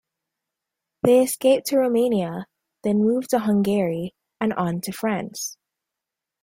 They escaped to Romania, then moved to Hungary, and on to France.